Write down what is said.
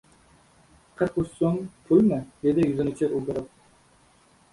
Qirq uch so‘m pulmi? - dedi yuzini chir o‘girib.